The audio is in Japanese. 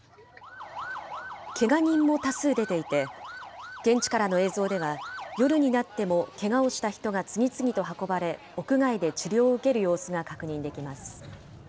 けが人も多数出ていて、現地からの映像では、夜になってもけがをした人が次々と運ばれ、屋外で治療を受ける様子が確認できます。